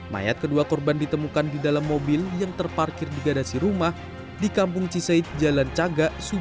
mayat kedua korban ditemukan di dalam mobil yang terparkir di garasi rumah di kampung ciseid jalan caga subang